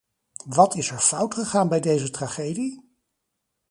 Wat is er fout gegaan bij deze tragedie?